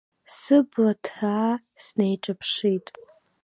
Сыбла ҭаа снеиҿаԥшит.